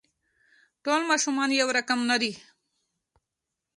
ټول ماشومان يو رقم نه دي.